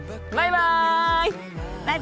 バイバイ。